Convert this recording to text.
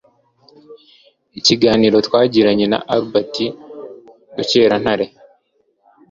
Ikiganiro twagiranye na Albert Rukerantare